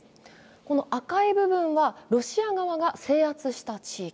この赤い部分はロシア側が制圧した地域。